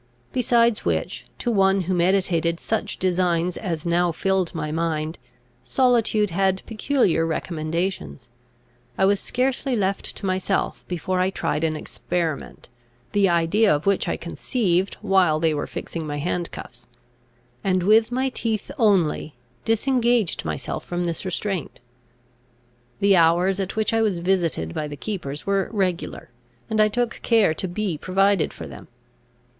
Besides which, to one who meditated such designs as now filled my mind, solitude had peculiar recommendations. I was scarcely left to myself, before I tried an experiment, the idea of which I conceived, while they were fixing my handcuffs; and, with my teeth only, disengaged myself from this restraint. The hours at which I was visited by the keepers were regular, and I took care to be provided for them.